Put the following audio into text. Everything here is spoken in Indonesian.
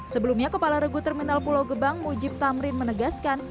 sebelumnya kepala regu terminal pulau gebang mujib tamrin menegaskan